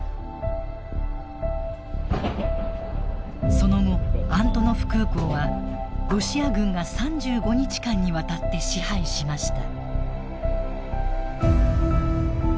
その後アントノフ空港はロシア軍が３５日間にわたって支配しました。